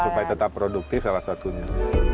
supaya tetap produktif salah satunya